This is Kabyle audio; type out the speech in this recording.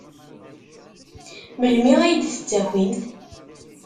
Melmi ay d-tettakimt?